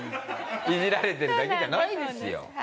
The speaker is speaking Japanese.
イジられてるだけじゃないんですよ。